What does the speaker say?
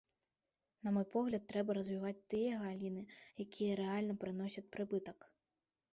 На мой погляд трэба развіваць тыя галіны, якія рэальна прыносяць прыбытак.